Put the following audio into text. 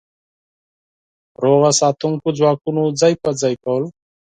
سوله ساتونکو ځواکونو ځای په ځای کول.